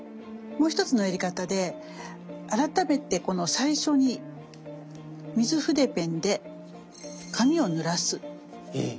もう一つのやり方で改めてこの最初に水筆ペンで紙をぬらす。